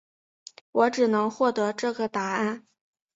我只能获得这个答案